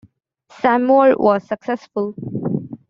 Seymour was successful.